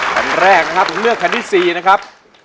แผ่นแรกนะครับผมเลือกแผ่นที่๔นะครับ